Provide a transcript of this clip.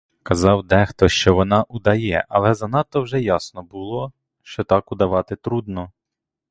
Казав дехто, що вона удає, але занадто вже ясно було, що так удавати трудно.